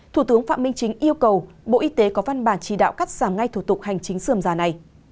thủ tướng phạm minh chính yêu cầu bộ y tế có văn bản chỉ đạo cắt giảm ngay thủ tục hành chính sườm già này